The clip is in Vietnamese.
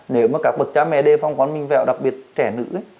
nếu mà các bậc cha mẹ đề phong quán mình vẹo đặc biệt trẻ nữ ấy